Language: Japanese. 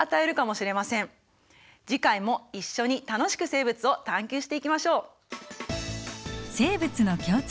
次回も一緒に楽しく生物を探究していきましょう。